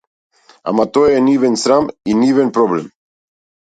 Ама тоа е нивен срам и нивен проблем.